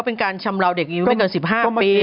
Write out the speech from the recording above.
เป็นการชำลาวเด็กอายุไม่เกิน๑๕ปี